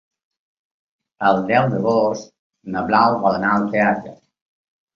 El deu d'agost na Blau vol anar al teatre.